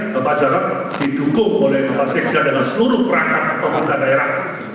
bapak jarak didukung oleh bapak basiq dan dengan seluruh perangkat pemerintahan daerah